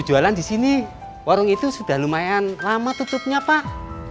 makasih ya pak